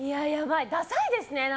ダサいですね。